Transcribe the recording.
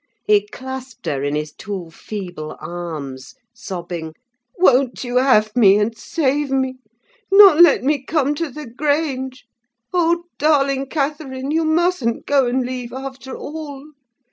He clasped her in his two feeble arms sobbing:—"Won't you have me, and save me? not let me come to the Grange? Oh, darling Catherine! you mustn't go and leave, after all.